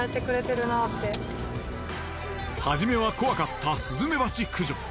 はじめは怖かったスズメバチ駆除。